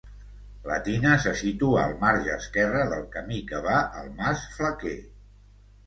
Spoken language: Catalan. La tina se situa al marge esquerre del camí que va al mas Flaquer.